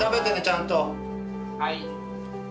「はい」。